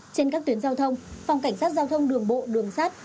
trên các tuyến giao thông phòng cảnh sát giao thông đường bộ đường sát